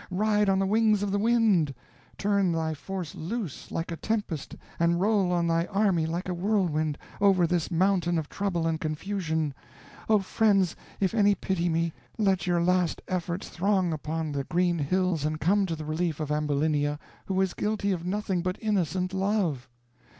Ride on the wings of the wind! Turn thy force loose like a tempest, and roll on thy army like a whirlwind, over this mountain of trouble and confusion. Oh friends! if any pity me, let your last efforts throng upon the green hills, and come to the relief of Ambulinia, who is guilty of nothing but innocent love."